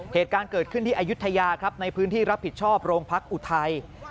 เหตุการณ์เกิดขึ้นที่อายุทยาครับในพื้นที่รับผิดชอบโรงพักอุทัย